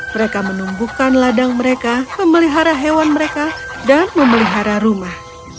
mereka menumbuhkan ladang mereka memelihara hewan mereka dan memelihara rumah